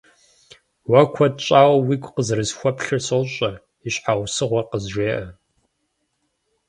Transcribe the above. Уэ куэд щӏауэ уигу къызэрысхуэплъыр сощӏэ, и щхьэусыгъуэр къызжеӏэ.